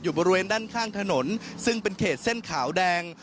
บริเวณด้านข้างถนนซึ่งเป็นเขตเส้นขาวแดง